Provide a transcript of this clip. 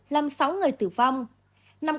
làm sáu người tử vong